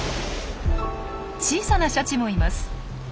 小さなシャチもいます。